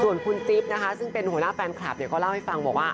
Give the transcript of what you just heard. ส่วนคุณจิ๊บนะคะซึ่งเป็นหัวหน้าแฟนคลับเนี่ยก็เล่าให้ฟังบอกว่า